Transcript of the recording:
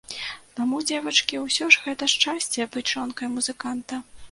Таму, дзевачкі, усё ж гэта шчасце, быць жонкай музыканта!